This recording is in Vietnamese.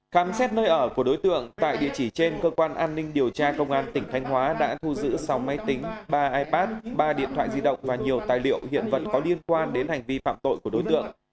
khám xét nơi ở của đối tượng tại địa chỉ trên cơ quan an ninh điều tra công an tỉnh thanh hóa đã thu giữ sáu máy tính ba ipad ba điện thoại di động và nhiều tài liệu hiện vật có liên quan đến hành vi phạm tội của đối tượng